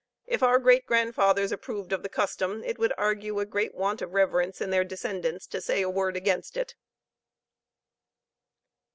If our great grandfathers approved of the custom, it would argue a great want of reverence in their descendants to say a word against it.